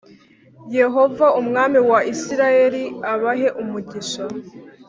Yehova Umwami wa Isirayeli abahe umugisha